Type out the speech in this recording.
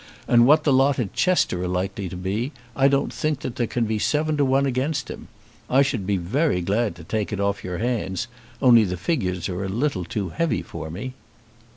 and what the lot at Chester are likely to be, I don't think that there can be seven to one against him. I should be very glad to take it off your hands, only the figures are a little too heavy for me."